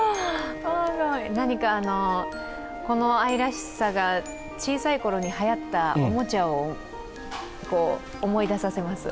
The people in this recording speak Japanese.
何かこの愛らしさが小さい頃にはやったおもちゃを思い出させます。